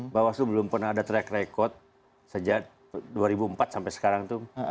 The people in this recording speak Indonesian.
bawaslu belum pernah ada track record sejak dua ribu empat sampai sekarang itu